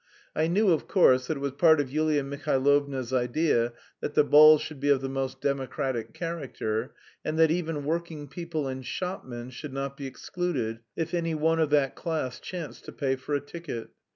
I knew, of course, that it was part of Yulia Mihailovna's idea that the ball should be of the most democratic character, and that "even working people and shopmen should not be excluded if any one of that class chanced to pay for a ticket."